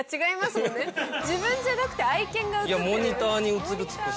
自分じゃなくて愛犬が映ってる。